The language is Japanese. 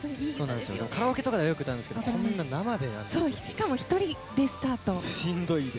カラオケとかでよく歌うんですけどしかも１人でスタート。